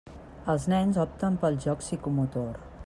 Els nens opten pel joc psicomotor.